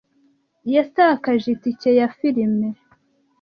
Yatakaje itike ya firime.